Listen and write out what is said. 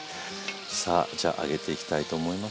さあじゃあ上げていきたいと思います。